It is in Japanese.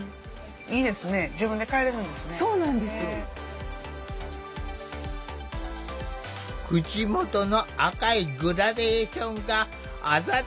いいですね口元の赤いグラデーションがあざと